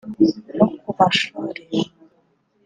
no ku mashuri